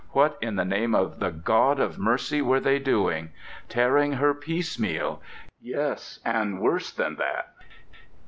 What in the name of the God of mercy were they doing? Tearing her piece meal? Yes, and worse than that!...